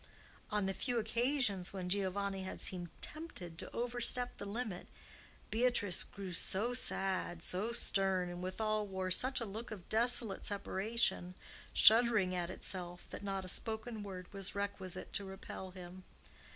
On the few occasions when Giovanni had seemed tempted to overstep the limit, Beatrice grew so sad, so stern, and withal wore such a look of desolate separation, shuddering at itself, that not a spoken word was requisite to repel him.